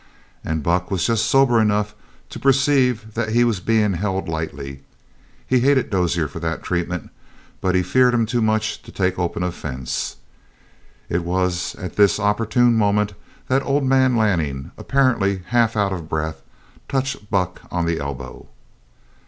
And Buck was just sober enough to perceive that he was being held lightly. He hated Dozier for that treatment, but he feared him too much to take open offense. It was at this opportune moment that old man Lanning, apparently half out of breath, touched Buck on the elbow.